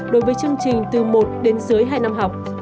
đối với chương trình từ một đến dưới hai năm học